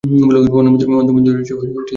অন্য মন্দিরের চেয়ে আলাদা।